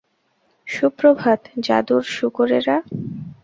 সুপ্রভাত, জাদুর শুকরেরা!